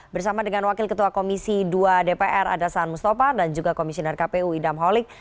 bersama dengan wakil ketua komisi dua dpr ada saan mustafa dan juga komisioner kpu idam holik